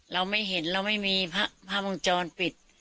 เราไม่เห็นเราไม่มีภาพวงจรปิด